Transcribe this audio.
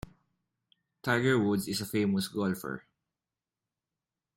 Tiger Woods is a famous golfer.